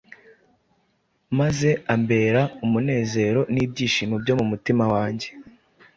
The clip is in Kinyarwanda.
maze ambera umunezero n’ibyishimo byo mu mutima wanjye.